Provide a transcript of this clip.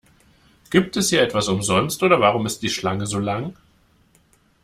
Gibt es hier etwas umsonst, oder warum ist die Schlange so lang?